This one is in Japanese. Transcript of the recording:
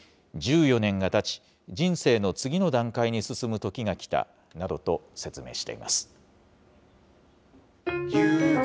１４年がたち、人生の次の段階に進むときが来たなどと説明しています。